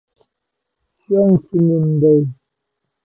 Sh'ong chinin dai